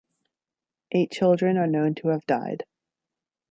Eight children are known to have died.